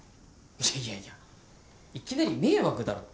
いやいやいきなり迷惑だろ。